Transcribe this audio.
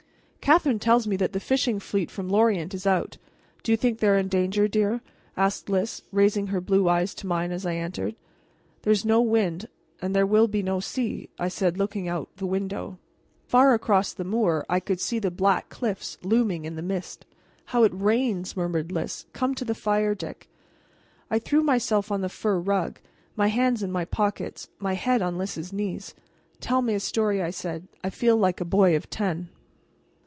"Catherine tells me that the fishing fleet from Lorient is out. Do you think they are in danger, dear?" asked Lys, raising her blue eyes to mine as I entered. "There is no wind, and there will be no sea," said I, looking out of the window. Far across the moor I could see the black cliffs looming in the mist. "How it rains!" murmured Lys; "come to the fire, Dick." I threw myself on the fur rug, my hands in my pockets, my head on Lys's knees. "Tell me a story," I said. "I feel like a boy of ten."